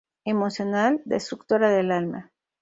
Emocional, destructora del alma-".